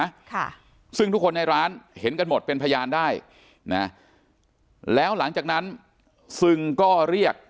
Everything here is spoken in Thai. ค่ะซึ่งทุกคนในร้านเห็นกันหมดเป็นพยานได้นะแล้วหลังจากนั้นซึงก็เรียก